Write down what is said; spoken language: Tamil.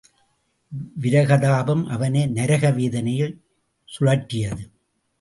விரகதாபம் அவனை நரக வேதனையில் சுழற்றியது.